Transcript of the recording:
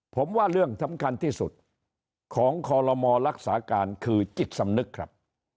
ผมว่าเรื่องสำคัญที่สุดของคอลโลมรักษาการคือจิตสำนึกครับ